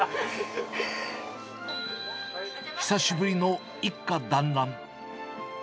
久しぶりの一家団らん。